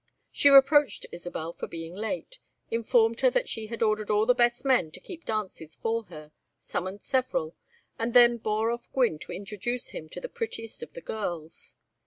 She reproached Isabel for being late, informed her that she had ordered all the best men to keep dances for her, summoned several, and then bore off Gwynne to introduce him to the prettiest of the girls.